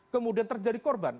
kemudian terjadi korban